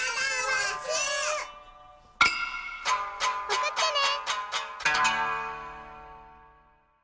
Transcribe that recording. おくってね。